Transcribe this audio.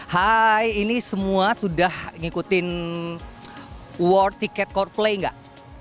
ini semua sudah ngikutin war tiket coldplay nggak